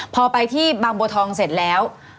พอไปที่บางบัวทองเสร็จแล้ว